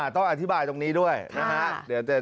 ต้องอธิบายตรงนี้ด้วยนะฮะ